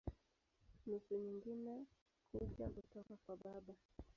Nusu nyingine kuja kutoka kwa baba.